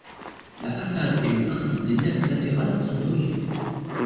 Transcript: La façade et une partie des nefs latérales sont d'origine.